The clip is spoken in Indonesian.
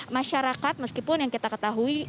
masyarakat meskipun yang kita ketahui